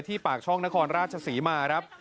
ปากช่องนครราชศรีมาครับ